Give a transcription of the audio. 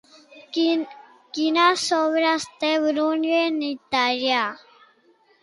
Quines obres té Bruni en italià?